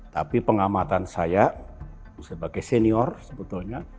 tapi pengamatan saya sebagai senior sebetulnya